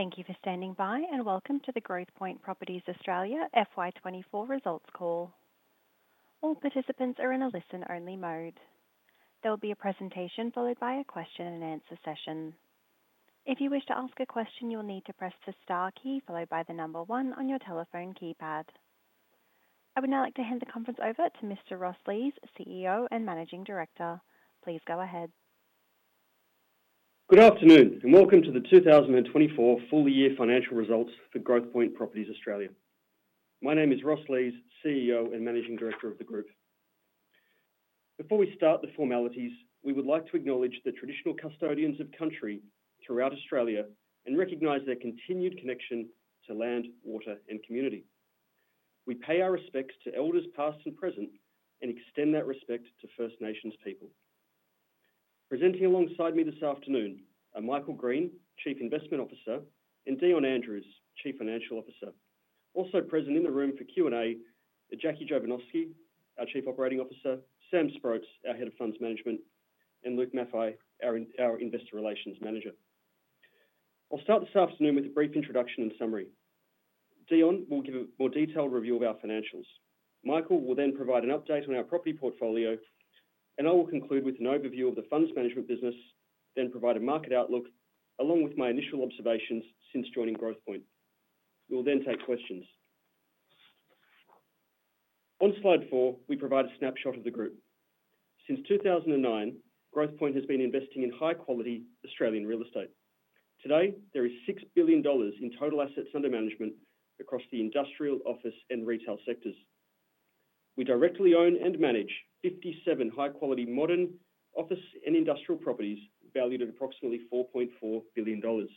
Thank you for standing by, and welcome to the Growthpoint Properties Australia FY 2024 results call. All participants are in a listen-only mode. There will be a presentation followed by a question and answer session. If you wish to ask a question, you will need to press the star key followed by the number one on your telephone keypad. I would now like to hand the conference over to Mr. Ross Lees, CEO and Managing Director. Please go ahead. Good afternoon, and welcome to the 2024 full year financial results for Growthpoint Properties Australia. My name is Ross Lees, CEO and Managing Director of the group. Before we start the formalities, we would like to acknowledge the traditional custodians of country throughout Australia and recognize their continued connection to land, water, and community. We pay our respects to elders, past and present, and extend that respect to First Nations people. Presenting alongside me this afternoon are Michael Green, Chief Investment Officer, and Dion Andrews, Chief Financial Officer. Also present in the room for Q&A are Jackie Jovanovski, our Chief Operating Officer, Sam Sproats, our Head of Funds Management, and Luke Maffei, our Investor Relations Manager. I'll start this afternoon with a brief introduction and summary. Dion will give a more detailed review of our financials. Michael will then provide an update on our property portfolio, and I will conclude with an overview of the funds management business, then provide a market outlook, along with my initial observations since joining Growthpoint. We will then take questions. On slide 4, we provide a snapshot of the group. Since 2009, Growthpoint has been investing in high-quality Australian real estate. Today, there is 6 billion dollars in total assets under management across the industrial, office, and retail sectors. We directly own and manage 57 high-quality, modern office and industrial properties valued at approximately 4.4 billion dollars.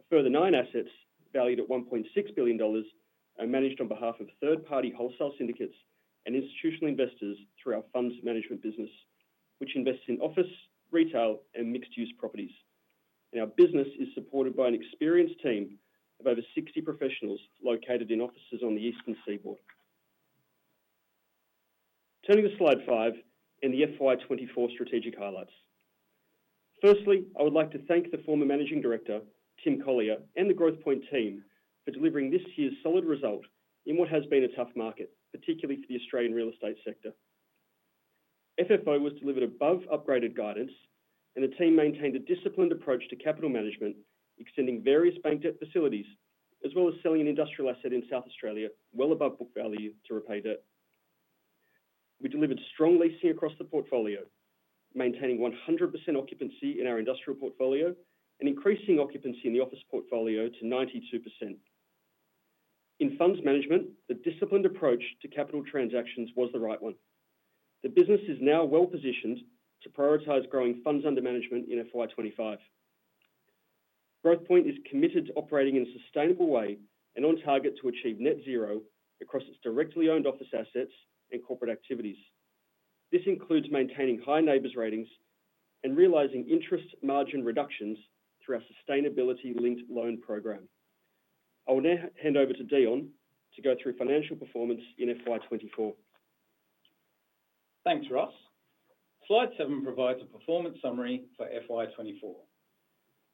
A further nine assets, valued at 1.6 billion dollars, are managed on behalf of third-party wholesale syndicates and institutional investors through our funds management business, which invests in office, retail, and mixed-use properties. Our business is supported by an experienced team of over 60 professionals located in offices on the Eastern Seaboard. Turning to slide 5 and the FY 2024 strategic highlights. Firstly, I would like to thank the former Managing Director, Tim Collyer, and the Growthpoint team for delivering this year's solid result in what has been a tough market, particularly for the Australian real estate sector. FFO was delivered above upgraded guidance, and the team maintained a disciplined approach to capital management, extending various bank debt facilities, as well as selling an industrial asset in South Australia well above book value to repay debt. We delivered strong leasing across the portfolio, maintaining 100% occupancy in our industrial portfolio and increasing occupancy in the office portfolio to 92%. In funds management, the disciplined approach to capital transactions was the right one. The business is now well-positioned to prioritize growing funds under management in FY 25. Growthpoint is committed to operating in a sustainable way and on target to achieve net zero across its directly owned office assets and corporate activities. This includes maintaining high NABERS ratings and realizing interest margin reductions through our sustainability-linked loan program. I will now hand over to Dion to go through financial performance in FY twenty-four. Thanks, Ross. Slide seven provides a performance summary for FY twenty-four.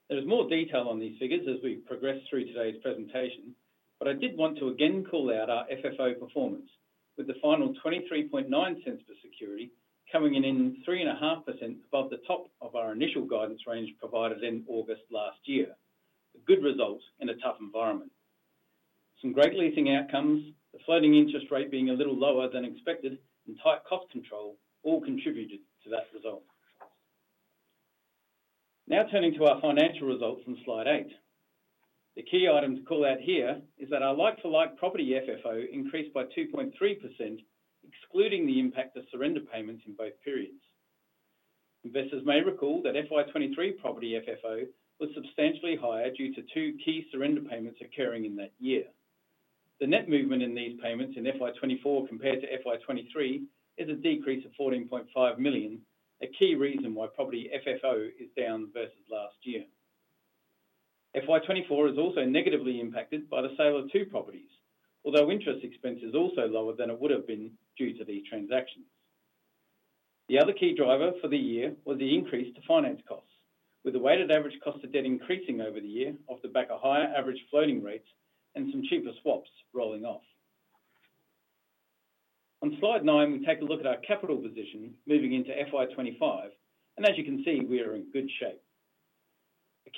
There is more detail on these figures as we progress through today's presentation, but I did want to again call out our FFO performance, with the final 0.239 per security coming in 3.5% above the top of our initial guidance range provided in August last year. A good result in a tough environment. Some great leasing outcomes, the floating interest rate being a little lower than expected, and tight cost control all contributed to that result. Now turning to our financial results on slide eight. The key item to call out here is that our like-for-like property FFO increased by 2.3%, excluding the impact of surrender payments in both periods. Investors may recall that FY 2023 property FFO was substantially higher due to two key surrender payments occurring in that year. The net movement in these payments in FY 2024 compared to FY 2023 is a decrease of 14.5 million, a key reason why property FFO is down versus last year. FY 2024 is also negatively impacted by the sale of two properties, although interest expense is also lower than it would have been due to these transactions. The other key driver for the year was the increase to finance costs, with the weighted average cost of debt increasing over the year off the back of higher average floating rates and some cheaper swaps rolling off. On slide 9, we take a look at our capital position moving into FY 2025, and as you can see, we are in good shape.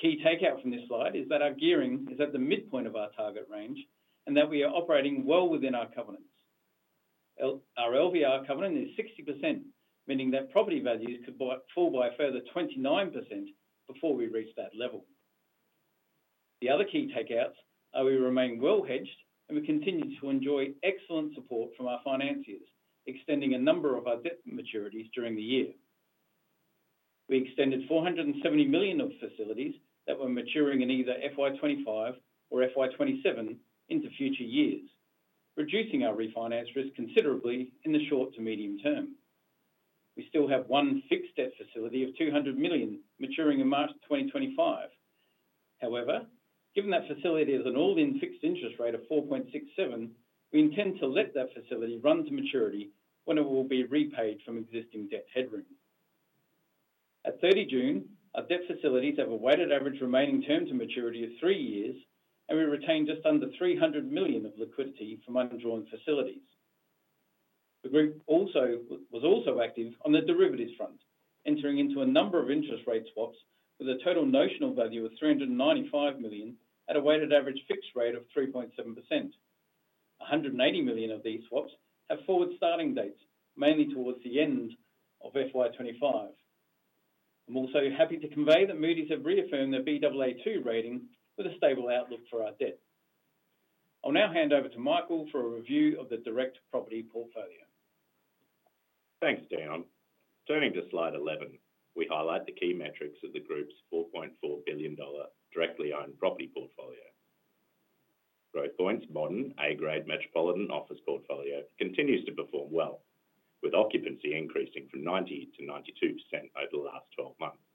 The key takeout from this slide is that our gearing is at the midpoint of our target range and that we are operating well within our covenants. Our LVR covenant is 60%, meaning that property values could fall by a further 29% before we reach that level. The other key takeouts are we remain well hedged, and we continue to enjoy excellent support from our financiers, extending a number of our debt maturities during the year. We extended 470 million of facilities that were maturing in either FY 2025 or FY 2027 into future years, reducing our refinance risk considerably in the short to medium term. We still have one fixed debt facility of 200 million maturing in March 2025. However. Given that facility has an all-in fixed interest rate of 4.67%, we intend to let that facility run to maturity, when it will be repaid from existing debt headroom. At 30 June, our debt facilities have a weighted average remaining term to maturity of three years, and we retained just under 300 million of liquidity from undrawn facilities. The group also was active on the derivatives front, entering into a number of interest rate swaps with a total notional value of 395 million, at a weighted average fixed rate of 3.7%. 180 million of these swaps have forward starting dates, mainly towards the end of FY 2025. I'm also happy to convey that Moody's have reaffirmed their Baa2 rating with a stable outlook for our debt. I'll now hand over to Michael for a review of the direct property portfolio. Thanks, Dion. Turning to slide 11, we highlight the key metrics of the group's 4.4 billion dollar directly owned property portfolio. Growthpoint's modern A-grade metropolitan office portfolio continues to perform well, with occupancy increasing from 90% to 92% over the last 12 months.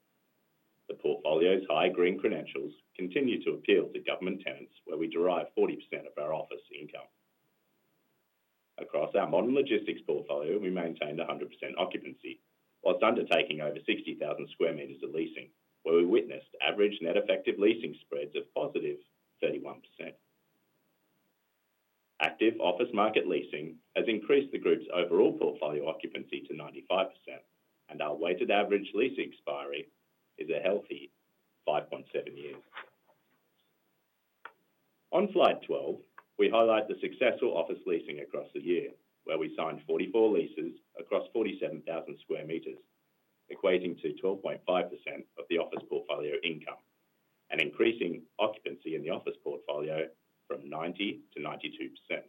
The portfolio's high green credentials continue to appeal to government tenants, where we derive 40% of our office income. Across our modern logistics portfolio, we maintained 100% occupancy, while undertaking over 60,000 sq m of leasing, where we witnessed average net effective leasing spreads of +31%. Active office market leasing has increased the group's overall portfolio occupancy to 95%, and our weighted average leasing expiry is a healthy 5.7 years. On slide 12, we highlight the successful office leasing across the year, where we signed 44 leases across 47,000 sq m, equating to 12.5% of the office portfolio income and increasing occupancy in the office portfolio from 90% to 92%.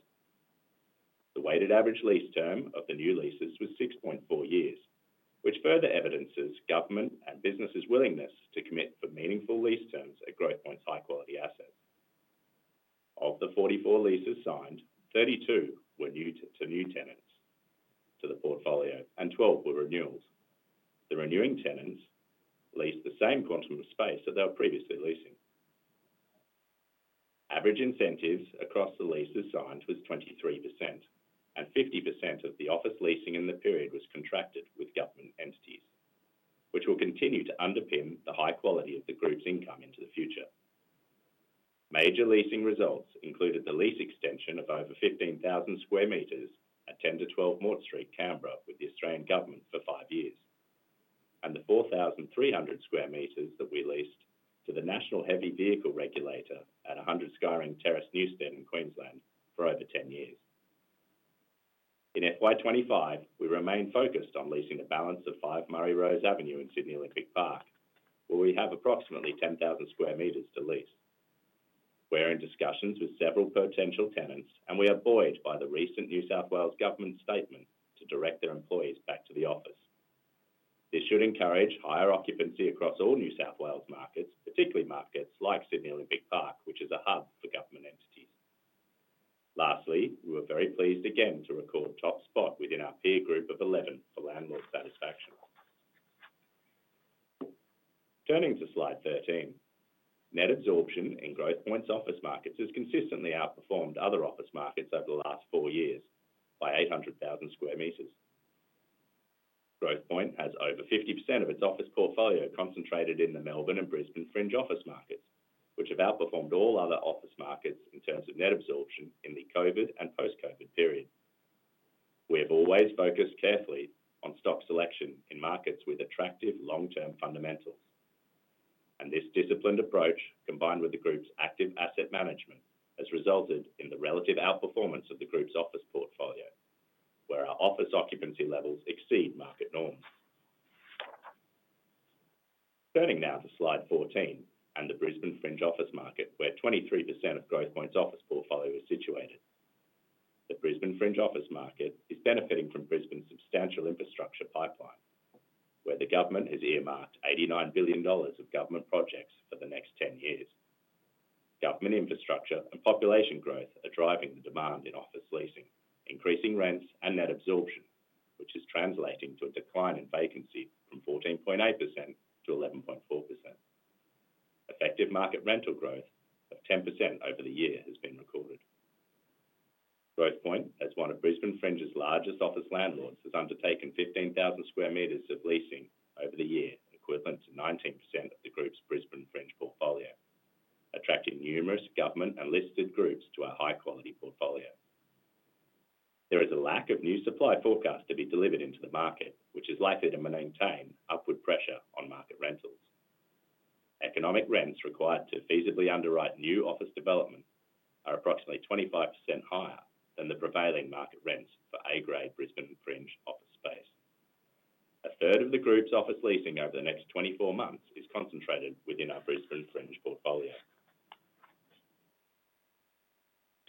The weighted average lease term of the new leases was 6.4 years, which further evidences government and businesses' willingness to commit for meaningful lease terms at Growthpoint's high-quality assets. Of the 44 leases signed, 32 were new to new tenants to the portfolio, and 12 were renewals. The renewing tenants leased the same quantum of space that they were previously leasing. Average incentives across the leases signed was 23%, and 50% of the office leasing in the period was contracted with government entities, which will continue to underpin the high quality of the group's income into the future. Major leasing results included the lease extension of over 15,000 sq m at 10-12 Mort Street, Canberra, with the Australian Government for 5 years, and the 4,300 sq m that we leased to the National Heavy Vehicle Regulator at 100 Skyring Terrace, Newstead in Queensland for over 10 years. In FY 2025, we remain focused on leasing the balance of 5 Murray Rose Avenue in Sydney Olympic Park, where we have approximately 10,000 sq m to lease. We're in discussions with several potential tenants, and we are buoyed by the recent New South Wales Government statement to direct their employees back to the office. This should encourage higher occupancy across all New South Wales markets, particularly markets like Sydney Olympic Park, which is a hub for government entities. Lastly, we were very pleased again to record top spot within our peer group of 11 for landlord satisfaction. Turning to slide 13, net absorption in Growthpoint's office markets has consistently outperformed other office markets over the last four years by 800,000 sq m. Growthpoint has over 50% of its office portfolio concentrated in the Melbourne and Brisbane Fringe office markets, which have outperformed all other office markets in terms of net absorption in the COVID and post-COVID period. We have always focused carefully on stock selection in markets with attractive long-term fundamentals, and this disciplined approach, combined with the group's active asset management, has resulted in the relative outperformance of the group's office portfolio, where our office occupancy levels exceed market norms. Turning now to slide 14 and the Brisbane Fringe office market, where 23% of Growthpoint's office portfolio is situated. The Brisbane Fringe office market is benefiting from Brisbane's substantial infrastructure pipeline, where the government has earmarked 89 billion dollars of government projects for the next ten years. Government infrastructure and population growth are driving the demand in office leasing, increasing rents and net absorption, which is translating to a decline in vacancy from 14.8% to 11.4%. Effective market rental growth of 10% over the year has been recorded. Growthpoint, as one of Brisbane Fringe's largest office landlords, has undertaken 15,000 sq m of leasing over the year, equivalent to 19% of the group's Brisbane Fringe portfolio, attracting numerous government and listed groups to our high-quality portfolio. There is a lack of new supply forecast to be delivered into the market, which is likely to maintain upward pressure on market rentals. Economic rents required to feasibly underwrite new office developments are approximately 25% higher than the prevailing market rents for A-grade Brisbane Fringe office space. A third of the group's office leasing over the next 24 months is concentrated within our Brisbane Fringe portfolio.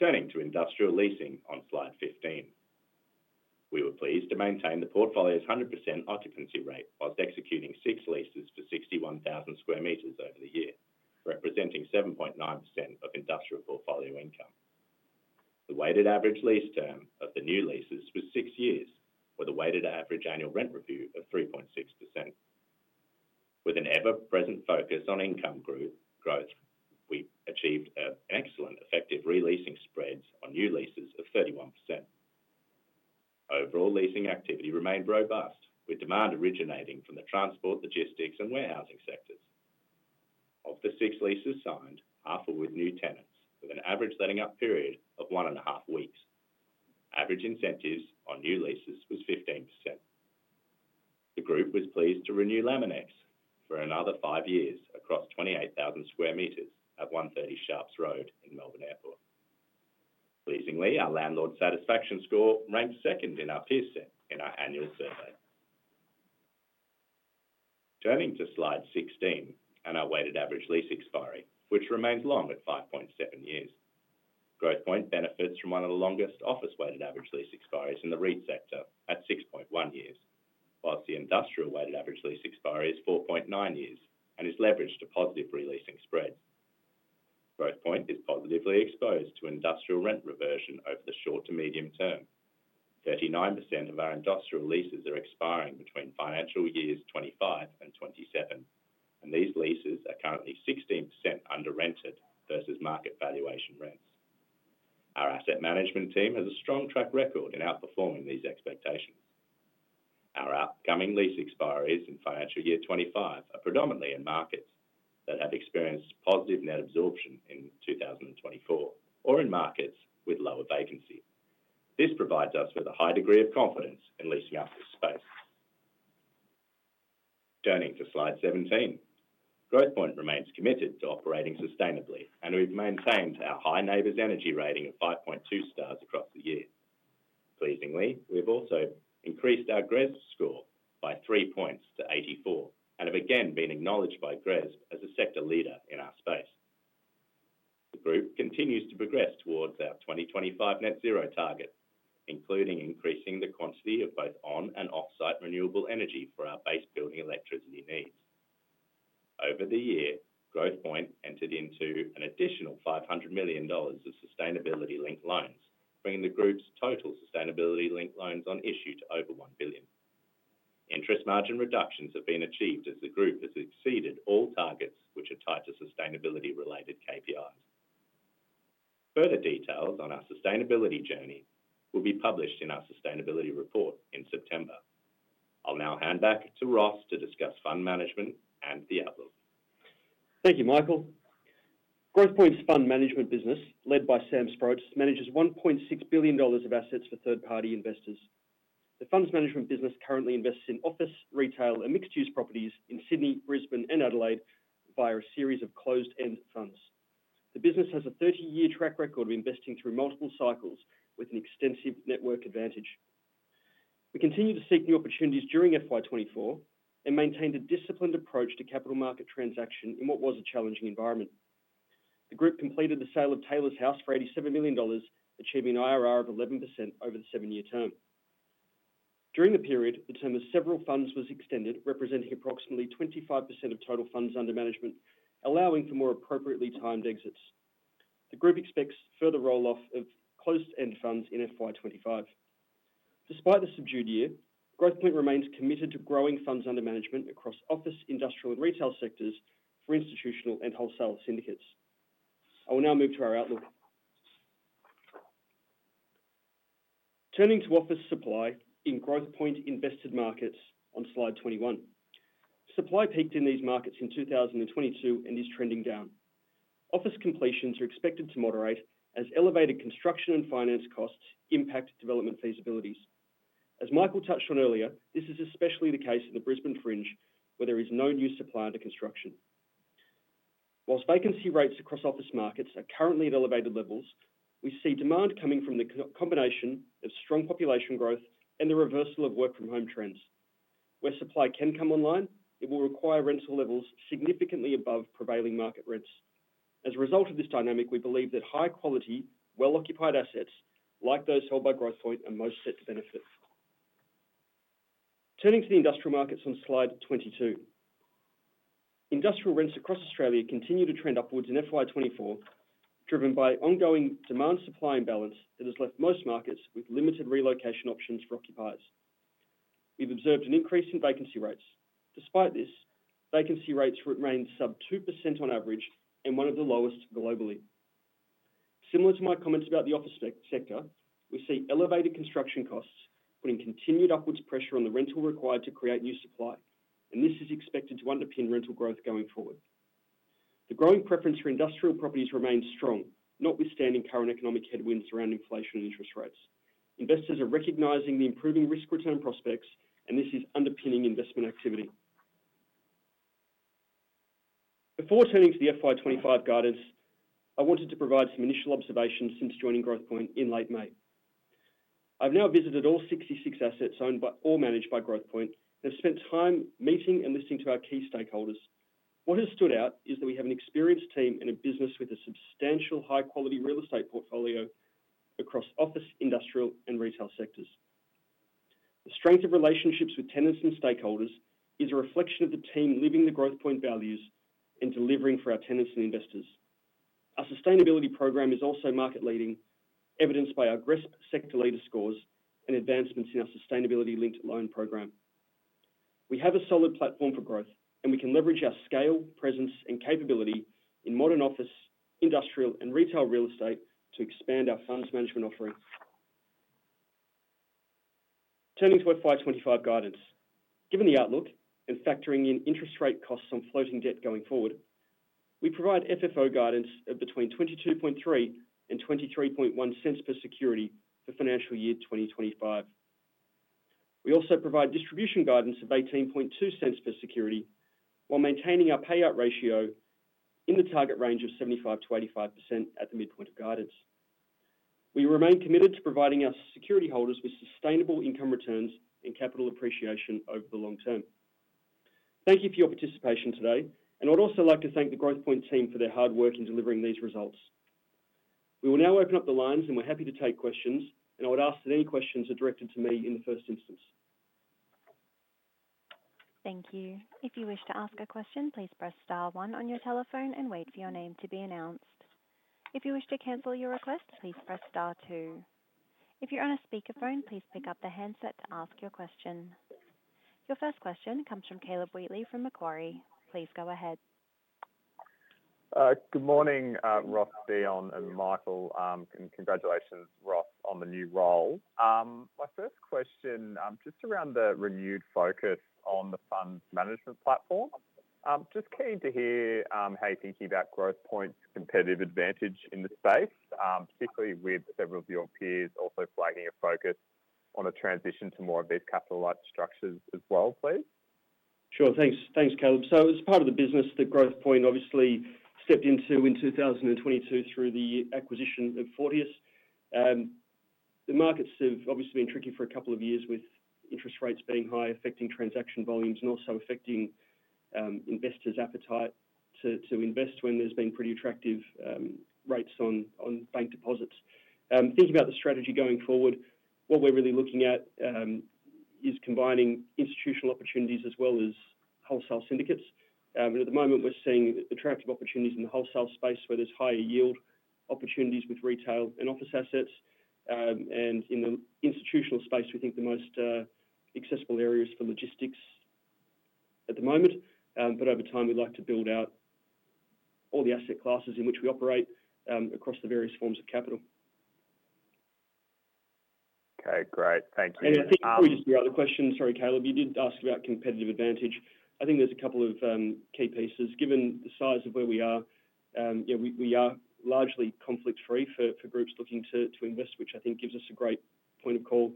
Turning to industrial leasing on slide 15. We were pleased to maintain the portfolio's 100% occupancy rate while executing 6 leases for 61,000 sq m over the year, representing 7.9% of industrial portfolio income. The weighted average lease term of the new leases was 6 years, with a weighted average annual rent review of 3.6%. With an ever-present focus on income growth, we achieved an excellent effective re-leasing spreads on new leases of 31%. Overall, leasing activity remained robust, with demand originating from the transport, logistics, and warehousing sectors. Of the six leases signed, half were with new tenants, with an average letting-up period of one and a half weeks. Average incentives on new leases was 15%. The group was pleased to renew Laminex for another five years across 28,000 sq m at 130 Sharps Road in Melbourne Airport. Pleasingly, our landlord satisfaction score ranked second in our peer set in our annual survey. Turning to slide 16 and our weighted average lease expiry, which remains long at 5.7 years. Growthpoint benefits from one of the longest office-weighted average lease expiries in the REIT sector at 6.1 years, while the industrial weighted average lease expiry is 4.9 years and is leveraged to positive re-leasing spreads. Growthpoint is positively exposed to industrial rent reversion over the short to medium term. 39% of our industrial leases are expiring between financial years 2025 and 2027, and these leases are currently 16% under-rented versus market valuation rents. Our asset management team has a strong track record in outperforming these expectations. Our upcoming lease expiries in financial year 2025 are predominantly in markets that have experienced positive net absorption in 2024, or in markets with lower vacancy. This provides us with a high degree of confidence in leasing out this space. Turning to slide 17. Growthpoint remains committed to operating sustainably, and we've maintained our high NABERS energy rating of 5.2 stars across the year. Pleasingly, we've also increased our GRESB score by 3 points to 84, and have again been acknowledged by GRESB as a sector leader in our space. The group continues to progress towards our 2025 net zero target, including increasing the quantity of both on and off-site renewable energy for our base building electricity needs. Over the year, Growthpoint entered into an additional 500 million dollars of sustainability-linked loans, bringing the group's total sustainability-linked loans on issue to over 1 billion. Interest margin reductions have been achieved as the group has exceeded all targets which are tied to sustainability-related KPIs. Further details on our sustainability journey will be published in our sustainability report in September. I'll now hand back to Ross to discuss fund management and the outlook. Thank you, Michael. Growthpoint's fund management business, led by Sam Sproats, manages 1.6 billion dollars of assets for third-party investors. The funds management business currently invests in office, retail, and mixed-use properties in Sydney, Brisbane, and Adelaide via a series of closed-end funds. The business has a 30-year track record of investing through multiple cycles with an extensive network advantage. We continued to seek new opportunities during FY 2024 and maintained a disciplined approach to capital market transaction in what was a challenging environment. The group completed the sale of Taylors House for 87 million dollars, achieving an IRR of 11% over the seven-year term. During the period, the term of several funds was extended, representing approximately 25% of total funds under management, allowing for more appropriately timed exits. The group expects further roll-off of closed-end funds in FY 2025. Despite the subdued year, Growthpoint remains committed to growing funds under management across office, industrial, and retail sectors for institutional and wholesale syndicates. I will now move to our outlook. Turning to office supply in Growthpoint invested markets on slide 21. Supply peaked in these markets in 2022 and is trending down. Office completions are expected to moderate as elevated construction and finance costs impact development feasibilities. As Michael touched on earlier, this is especially the case in the Brisbane Fringe, where there is no new supply under construction. While vacancy rates across office markets are currently at elevated levels, we see demand coming from the combination of strong population growth and the reversal of work from home trends. Where supply can come online, it will require rental levels significantly above prevailing market rents. As a result of this dynamic, we believe that high quality, well-occupied assets, like those held by Growthpoint, are most set to benefit. Turning to the industrial markets on slide 22. Industrial rents across Australia continued to trend upwards in FY 2024, driven by ongoing demand-supply imbalance that has left most markets with limited relocation options for occupiers. We've observed an increase in vacancy rates. Despite this, vacancy rates remained sub 2% on average and one of the lowest globally. Similar to my comments about the office sector, we see elevated construction costs, putting continued upwards pressure on the rental required to create new supply, and this is expected to underpin rental growth going forward. The growing preference for industrial properties remains strong, notwithstanding current economic headwinds around inflation and interest rates. Investors are recognizing the improving risk-return prospects, and this is underpinning investment activity. Before turning to the FY 25 guidance, I wanted to provide some initial observations since joining Growthpoint in late May. I've now visited all sixty-six assets owned by or managed by Growthpoint, and have spent time meeting and listening to our key stakeholders. What has stood out is that we have an experienced team and a business with a substantial high-quality real estate portfolio across office, industrial, and retail sectors. The strength of relationships with tenants and stakeholders is a reflection of the team living the Growthpoint values and delivering for our tenants and investors. Our sustainability program is also market-leading, evidenced by our GRESB sector leader scores and advancements in our sustainability-linked loan program. We have a solid platform for growth, and we can leverage our scale, presence, and capability in modern office, industrial, and retail real estate to expand our funds management offerings. Turning to our FY 25 guidance. Given the outlook and factoring in interest rate costs on floating debt going forward, we provide FFO guidance of between 0.223 and 0.231 per security for financial year 2025. We also provide distribution guidance of 0.182 per security, while maintaining our payout ratio in the target range of 75%-85% at the midpoint of guidance. We remain committed to providing our security holders with sustainable income returns and capital appreciation over the long term. Thank you for your participation today, and I'd also like to thank the Growthpoint team for their hard work in delivering these results. We will now open up the lines, and we're happy to take questions, and I would ask that any questions are directed to me in the first instance. Thank you. If you wish to ask a question, please press star one on your telephone and wait for your name to be announced. If you wish to cancel your request, please press star two. If you're on a speakerphone, please pick up the handset to ask your question. Your first question comes from Caleb Wheatley from Macquarie. Please go ahead. Good morning, Ross, Dion, and Michael. Congratulations, Ross, on the new role. My first question, just around the renewed focus on the funds management platform. Just keen to hear how you're thinking about Growthpoint's competitive advantage in the space, particularly with several of your peers also flagging a focus on a transition to more of these capital light structures as well, please. Sure. Thanks. Thanks, Caleb. As part of the business that Growthpoint obviously stepped into in 2022 through the acquisition of Fortius, the markets have obviously been tricky for a couple of years, with interest rates being high, affecting transaction volumes, and also affecting investors' appetite to invest when there's been pretty attractive rates on bank deposits. Thinking about the strategy going forward, what we're really looking at is combining institutional opportunities as well as wholesale syndicates. And at the moment, we're seeing attractive opportunities in the wholesale space, where there's higher yield opportunities with retail and office assets. And in the institutional space, we think the most accessible areas for logistics at the moment, but over time, we'd like to build out all the asset classes in which we operate, across the various forms of capital. Okay, great. Thank you- I think before we get to your other question, sorry, Caleb, you did ask about competitive advantage. I think there's a couple of key pieces. Given the size of where we are, yeah, we are largely conflict-free for groups looking to invest, which I think gives us a great point of call.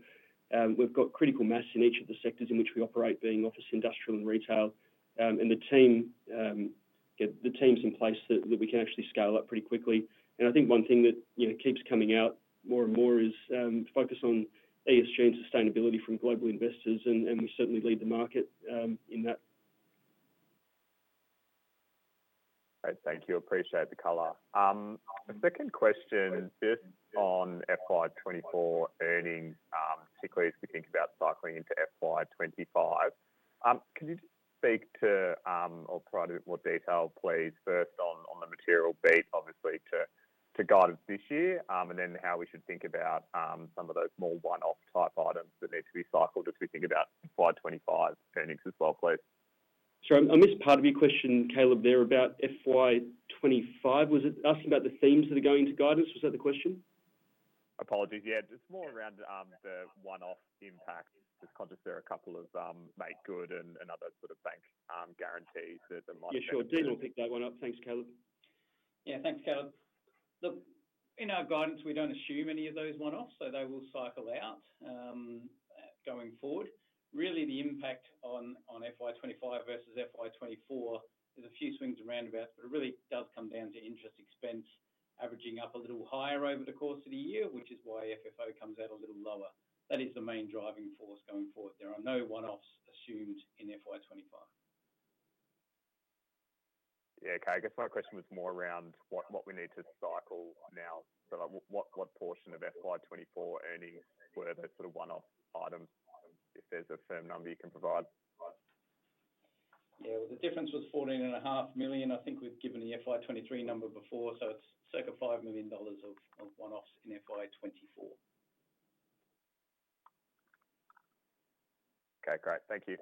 We've got critical mass in each of the sectors in which we operate, being office, industrial, and retail. The team, the team's in place that we can actually scale up pretty quickly. I think one thing that, you know, keeps coming out more and more is focus on ESG and sustainability from global investors, and we certainly lead the market in that. Great, thank you. Appreciate the color. My second question is just on FY 2024 earnings, particularly as we think about cycling into FY 2025. Could you just speak to, or provide a bit more detail, please, first on the material beat, obviously, to guide us this year, and then how we should think about some of those more one-off type items that need to be cycled as we think about FY 2025 earnings as well, please? Sure. I missed part of your question, Caleb, there about FY 25. Was it asking about the themes that are going into guidance? Was that the question? Apologies. Yeah, just more around, the one-off impact. Just conscious there are a couple of, make good and other sort of bank, guarantees that might- Yeah, sure. Dion will pick that one up. Thanks, Caleb. Yeah, thanks, Caleb. Look, in our guidance, we don't assume any of those one-offs, so they will cycle out going forward. Really, the impact on FY 2025 versus FY 2024 is a few swings and roundabouts, but it really does come down to interest expense averaging up a little higher over the course of the year, which is why FFO comes out a little lower. That is the main driving force going forward. There are no one-offs assumed in FY 2025. Yeah, okay. I guess my question was more around what we need to cycle now, but, like, what portion of FY twenty-four earnings were the sort of one-off items, if there's a firm number you can provide? Yeah, well, the difference was 14.5 million. I think we've given the FY 2023 number before, so it's circa 5 million dollars of one-offs in FY 2024. Okay, great. Thank you.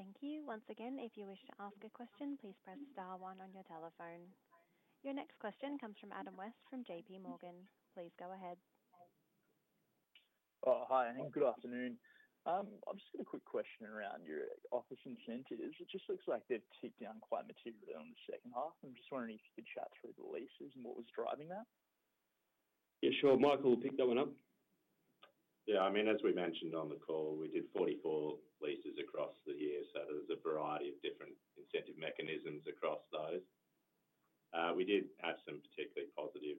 Thank you. Once again, if you wish to ask a question, please press star one on your telephone. Your next question comes from Adam West, from J.P. Morgan. Please go ahead. Oh, hi, and good afternoon. I've just got a quick question around your office incentives. It just looks like they've tipped down quite materially on the second half. I'm just wondering if you could chat through the leases and what was driving that. Yeah, sure. Michael will pick that one up. Yeah, I mean, as we mentioned on the call, we did 44 leases across the year, so there's a variety of different incentive mechanisms across those. We did have some particularly positive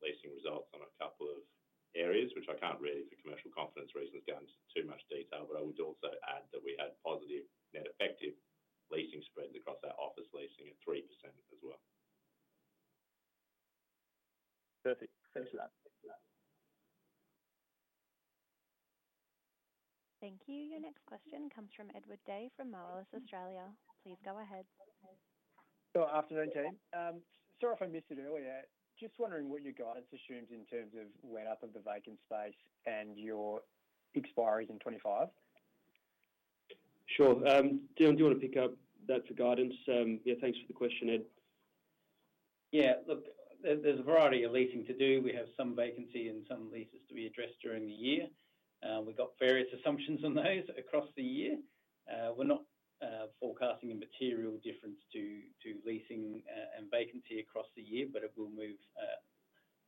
leasing results on a couple of areas, which I can't really, for commercial confidence reasons, go into too much detail, but I would also add that we had positive net effective leasing spreads across our office leasing at 3% as well.... Perfect. Thanks a lot. Thanks a lot. Thank you. Your next question comes from Edward Day, from MA Financial Group. Please go ahead. Afternoon, team. Sorry if I missed it earlier, just wondering what your guidance assumes in terms of make-up of the vacant space and your expiries in 2025? Sure. Dion, do you want to pick up that for guidance? Yeah, thanks for the question, Ed. Yeah, look, there, there's a variety of leasing to do. We have some vacancy and some leases to be addressed during the year. We've got various assumptions on those across the year. We're not forecasting a material difference to leasing and vacancy across the year, but it will move,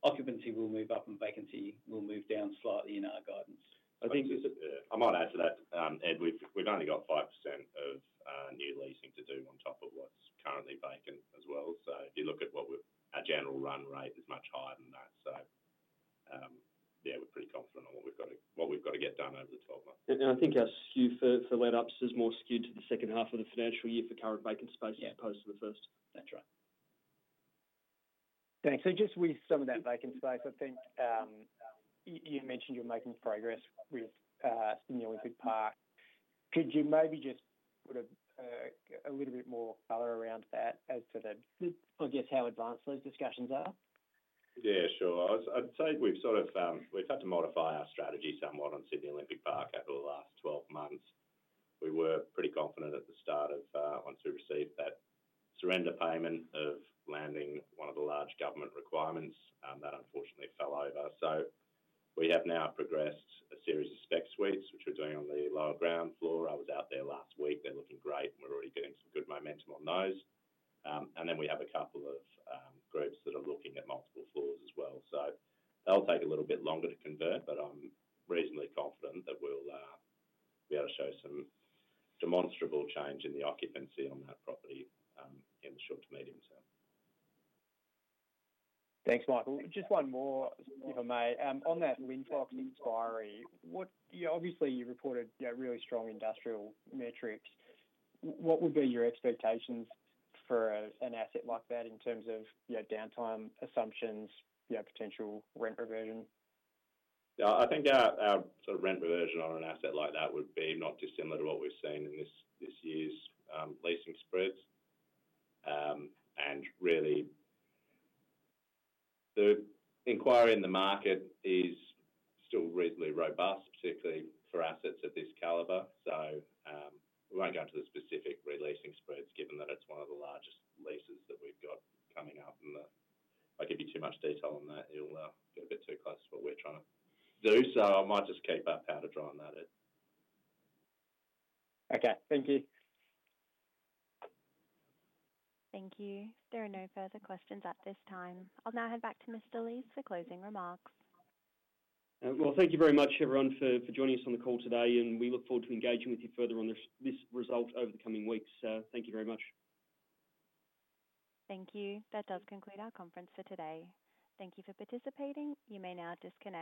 occupancy will move up and vacancy will move down slightly in our guidance. I think- Yeah, I might add to that, Ed, we've only got 5% of new leasing to do on top of what's currently vacant as well. So if you look at what we're our general run rate is much higher than that. So, yeah, we're pretty confident on what we've got to get done over the twelve months. I think our skew for lease-ups is more skewed to the second half of the financial year for current vacant space. Yeah... as opposed to the first. That's right. Thanks. So just with some of that vacant space, I think, you mentioned you're making progress with Sydney Olympic Park. Could you maybe just put a little bit more color around that as to the, I guess, how advanced those discussions are? Yeah, sure. I'd say we've sort of... We've had to modify our strategy somewhat on Sydney Olympic Park over the last twelve months. We were pretty confident at the start of once we received that surrender payment of landing one of the large government requirements that unfortunately fell over. So we have now progressed a series of spec suites, which we're doing on the lower ground floor. I was out there last week, they're looking great, and we're already getting some good momentum on those. And then we have a couple of groups that are looking at multiple floors as well, so that'll take a little bit longer to convert, but I'm reasonably confident that we'll be able to show some demonstrable change in the occupancy on that property in the short to medium term. Thanks, Michael. Just one more, if I may. On that Linfox expiry, what? You know, obviously, you reported, yeah, really strong industrial metrics. What would be your expectations for an asset like that in terms of, you know, downtime assumptions, you know, potential rent reversion? Yeah, I think our sort of rent reversion on an asset like that would be not dissimilar to what we've seen in this year's leasing spreads. And really, the inquiry in the market is still reasonably robust, particularly for assets of this caliber. So, we won't go into the specific re-leasing spreads, given that it's one of the largest leases that we've got coming up, and if I give you too much detail on that, it'll get a bit too close to what we're trying to do. So I might just keep our powder dry on that, Ed. Okay. Thank you. Thank you. There are no further questions at this time. I'll now head back to Mr. Lees for closing remarks. Well, thank you very much, everyone, for joining us on the call today, and we look forward to engaging with you further on this result over the coming weeks. Thank you very much. Thank you. That does conclude our conference for today. Thank you for participating. You may now disconnect.